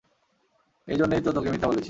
এই জন্যই তো তোকে মিথ্যা বলেছি।